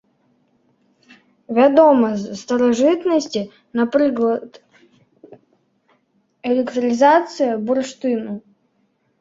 Вядома з старажытнасці, напрыклад, электрызацыя бурштыну.